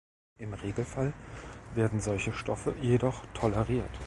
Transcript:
Im Regelfall werden solche Stoffe jedoch toleriert.